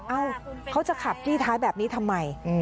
เอ้าเขาจะขับจี้ท้ายแบบนี้ทำไม